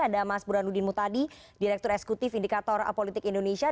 ada mas burhanuddin mutadi direktur eksekutif indikator politik indonesia